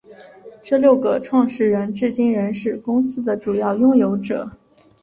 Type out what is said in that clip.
这六个创始人至今仍是公司的主要拥有者。